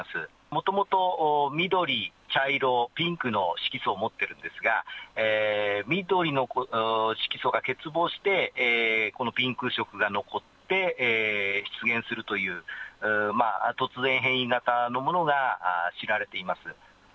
もともと緑、茶色、ピンクの色素を持っているんですが、緑の色素が欠乏して、このピンク色が残って、出現するという、突然変異型のものが知られています。